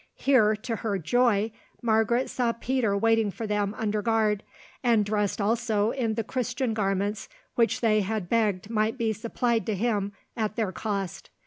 Here, to her joy, Margaret saw Peter waiting for them under guard, and dressed also in the Christian garments which they had begged might be supplied to him at their cost.